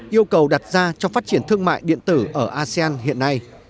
yêu cầu đặt ra trong phát triển thương mại điện tử ở asean hiện nay